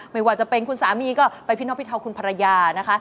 ไม่ว่าจะเป็นคุณสามีก็ไปพี่น้องพี่เทาคุณภรรยานะคะ